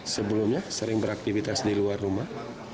sebelumnya sering beraktivitas di luar rumah